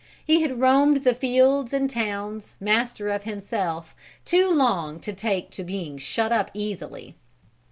He had roamed the fields and towns, master of himself, too long to take to being shut up easily.